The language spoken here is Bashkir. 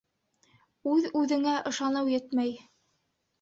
Үҙ-үҙеңә ышаныу етмәй.